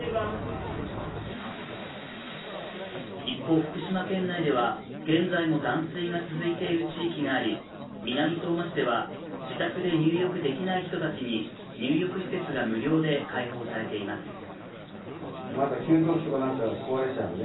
一方、福島県内では現在も断水が続いている地域があり南相馬市では自宅で入浴できない人たちに入浴施設が無料で開放されています。